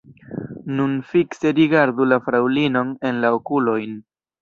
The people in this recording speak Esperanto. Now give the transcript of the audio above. Nun fikse rigardu la fraŭlinon en la okulojn.